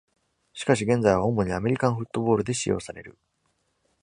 しかし現在は、主にアメリカンフットボールで使用される。